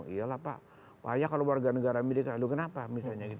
iya lah pak wah ya kalau warga negara amerika aduh kenapa misalnya gitu